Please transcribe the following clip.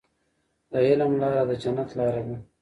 د علم لاره د جنت لاره ده.